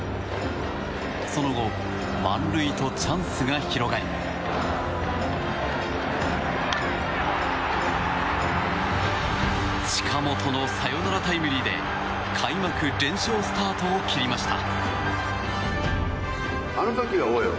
その後、満塁とチャンスが広がり近本のサヨナラタイムリーで開幕連勝スタートを切りました。